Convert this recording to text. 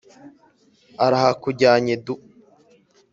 arahakujyanye du .